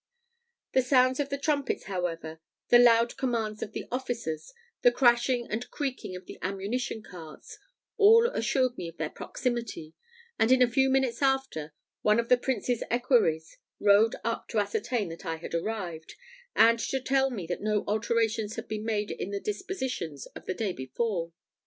The sounds of the trumpets, however, the loud commands of the officers, the crashing and creaking of the ammunition carts, all assured me of their proximity; and in a few minutes after, one of the Prince's equerries rode up to ascertain that I had arrived, and to tell me that no alterations had been made in the dispositions of the day before.